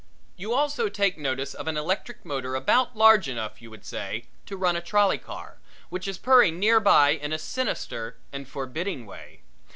You also take notice of an electric motor about large enough, you would say, to run a trolley car, which is purring nearby in a sinister and forbidding way.